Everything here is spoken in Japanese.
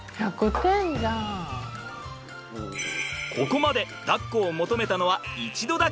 ここまでだっこを求めたのは１度だけ。